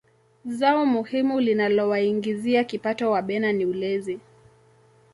zao muhimu linalowaingizia kipato wabena ni ulezi